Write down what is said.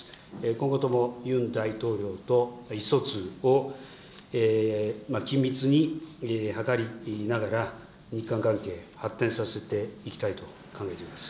今後ともユン大統領と意思疎通を緊密に図りながら、日韓関係、発展させていきたいと考えています。